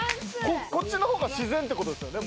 こっちの方が自然ってことですよね？